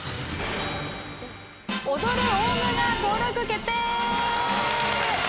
踊るオウムが登録決定！